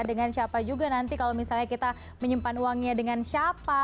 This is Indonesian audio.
dengan siapa juga nanti kalau misalnya kita menyimpan uangnya dengan siapa